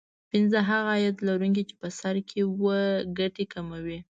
پینځه هغه عاید لرونکي چې په سر کې وو ګټې کموي